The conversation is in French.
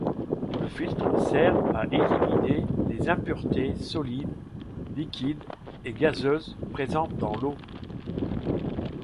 Le filtre sert à éliminer les impuretés solides, liquides et gazeuses présentes dans l'eau.